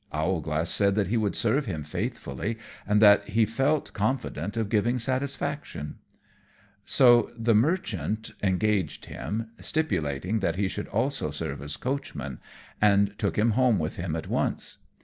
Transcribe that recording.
Owlglass said that he would serve him faithfully, and that he felt confident of giving satisfaction; so the merchant engaged him, stipulating that he should also serve as coachman, and took him home with him at once.